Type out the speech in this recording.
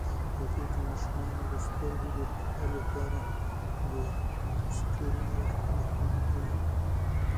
هغې د ماشومانو د سترګو د روغتیا لپاره د سکرین وخت محدودوي.